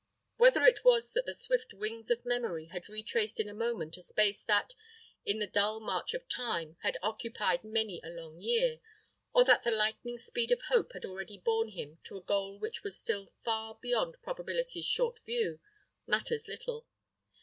Whether it was that the swift wings of memory had retraced in a moment a space that, in the dull march of time, had occupied many a long year, or that the lightning speed of hope had already borne him to a goal which was still far beyond probability's short view, matters little.